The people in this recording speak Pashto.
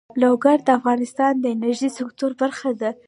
لوگر د افغانستان د انرژۍ سکتور برخه ده.